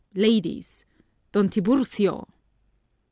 "Ladies! Don Tiburcio!"